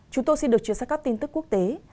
chúng tôi xin được chuyên sách các tin tức quốc tế